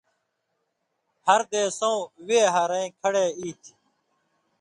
ہر دېسؤں وے ہرَیں کھڑے ای تھی